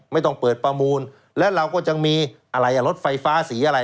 ไม่ต้องเปิดประมูลและเราก็จะมีอะไรอ่ะรถไฟฟ้าสีอะไร